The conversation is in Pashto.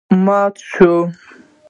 مات شول.